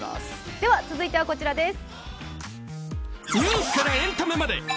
では続いてはこちらです。